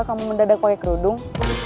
kamu mendadak pakai kerudung